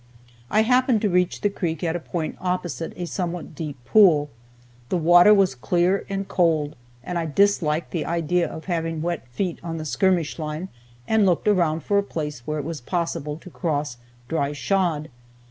I happened to reach the creek at a point opposite a somewhat deep pool. The water was clear and cold, and I disliked the idea of having wet feet on the skirmish line, and looked around for a place where it was possible to cross dry shod.